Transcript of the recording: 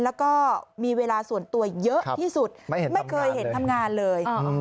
แล้วก็มีเวลาส่วนตัวเยอะที่สุดไม่เคยเห็นทำงานเลย